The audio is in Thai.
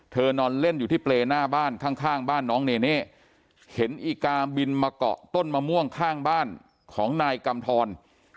นอนเล่นอยู่ที่เปรย์หน้าบ้านข้างบ้านน้องเนเน่เห็นอีกาบินมาเกาะต้นมะม่วงข้างบ้านของนายกำทร